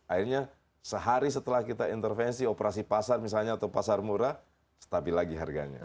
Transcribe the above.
akhirnya sehari setelah kita intervensi operasi pasar misalnya atau pasar murah stabil lagi harganya